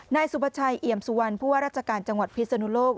นายสุประชัยเอี่ยมสุวรรณผู้ว่าราชการจังหวัดพิศนุโลก